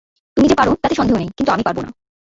তুমি যে পার তাতে সন্দেহ নেই, কিন্তু আমি পারব না।